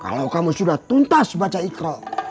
kalau kamu sudah tuntas baca ikral